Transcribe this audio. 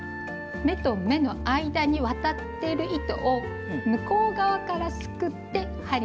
目と目の間に渡ってる糸を向こう側からすくって針にかけます。